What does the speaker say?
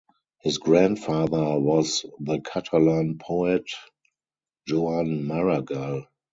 His grandfather was the Catalan poet Joan Maragall.